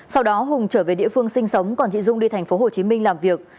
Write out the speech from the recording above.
sau đó hùng trở về địa phương sinh sống còn chị dung đi tp hcm làm việc